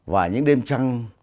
và những đêm trăng